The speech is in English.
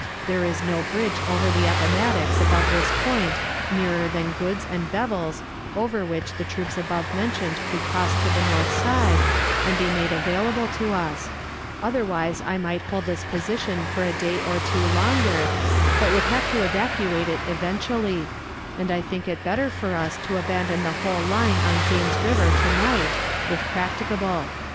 There is no bridge over the Appomattox above this point nearer than Goode's and Bevil's over which the troops above mentioned could cross to the north side, and be made available to us; otherwise I might hold this position for a day or two longer, but would have to evacuate it eventually; and I think it better for us to abandon the whole line on James River to night, if practicable.